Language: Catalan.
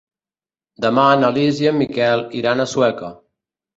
Demà na Lis i en Miquel iran a Sueca.